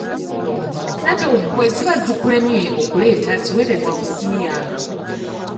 Ssente bwe ziba zikulemye okuleeta ziweereze ku ssimu yange.